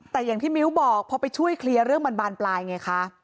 แต่อย่างที่มิ้วบอกพอไปช่วยเคลียร์เรื่องมันบานปลายไงคะ